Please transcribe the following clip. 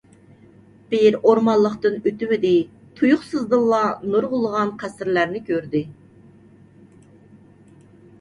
بىر ئورمانلىقتىن ئۆتۈۋىدى، تۇيۇقسىزدىنلا نۇرغۇنلىغان قەسىرلەرنى كۆردى.